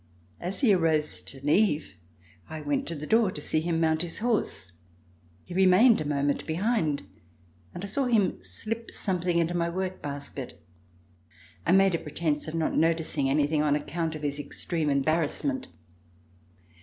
As he arose to leave, I went to the door to see him mount his horse. He remained a moment behind and I saw him slip something into my work basket. I made a pretense of not noticing anything, on account of his extreme embarrassment.